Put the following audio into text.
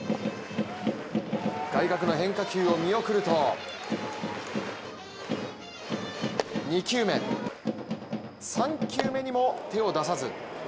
外角の変化球を見送ると２球目、３球目にも手を出さず。